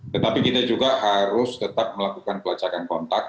tetapi kita juga harus tetap melakukan pelacakan kontak